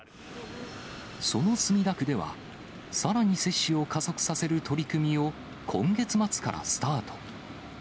その墨田区では、さらに接種を加速させる取り組みを今月末からスタート。